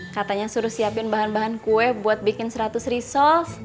katanya suruh siapin bahan bahan kue buat bikin seratus resolve